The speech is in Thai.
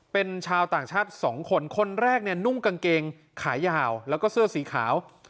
เป็นชาวต่างชาติสองคนคนแรกเนี่ยนุ่งกางเกงขายาวแล้วก็เสื้อสีขาว